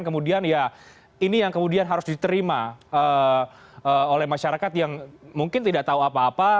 kemudian ya ini yang kemudian harus diterima oleh masyarakat yang mungkin tidak tahu apa apa